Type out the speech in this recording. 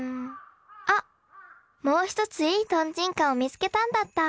あっもう一ついいトンチンカンを見つけたんだった！